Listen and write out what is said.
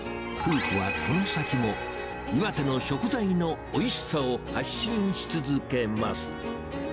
夫婦はこの先も、岩手の食材のおいしさを発信し続けます。